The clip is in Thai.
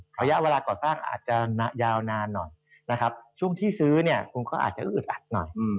เพราะว่าเวลาก่อสร้างอาจจะยาวนานหน่อยช่วงที่ซื้อคุณก็อาจจะอึดอัดหน่อย